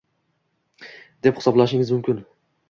Deb hisoblashingiz mumkin